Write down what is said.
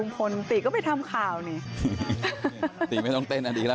ขวาตัวที่ของเวสปิ้น